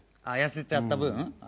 痩せちゃった分？